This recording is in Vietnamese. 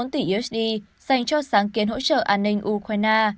một mươi bốn tỷ usd dành cho sáng kiến hỗ trợ an ninh ukraine